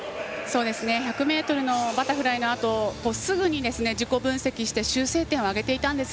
１００ｍのバタフライのあとすぐに、自己分析して修正点を挙げていたんです。